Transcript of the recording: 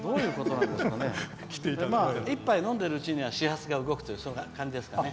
まあ、一杯飲んでるうちには始発が動くっていうそんな感じですかね。